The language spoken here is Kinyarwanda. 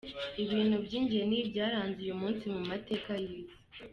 Ibintu by’ingeni byaranze uyu munsi mu mateka y’isi:.